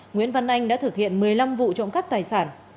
nguyễn văn anh đã thực hiện một mươi năm vụ trộm cắp tài sản